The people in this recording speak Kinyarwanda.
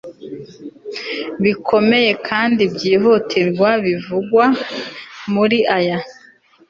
bikomeye kandi byihutirwa bivugwa muri aya